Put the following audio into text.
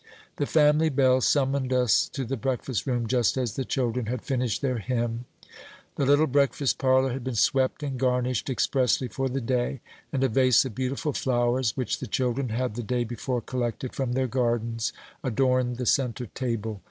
The family bell summoned us to the breakfast room just as the children had finished their hymn. The little breakfast parlor had been swept and garnished expressly for the day, and a vase of beautiful flowers, which the children had the day before collected from their gardens, adorned the centre table.